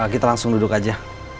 kita langsung duduk aja